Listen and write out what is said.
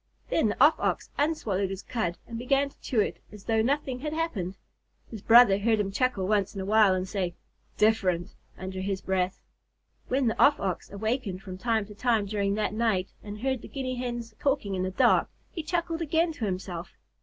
Then the Off Ox unswallowed his cud and began to chew it as though nothing had happened. His brother heard him chuckle once in a while, and say, "Different!" under his breath. When the Off Ox awakened from time to time during that night and heard the Guinea Hens talking in the dark, he chuckled again to himself.